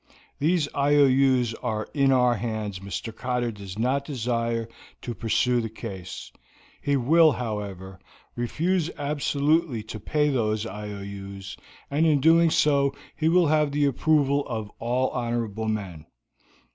These IOUs are in our hands. Mr. Cotter does not desire to pursue the case; he will, however, refuse absolutely to pay those IOUs, and in doing so he will have the approval of all honorable men.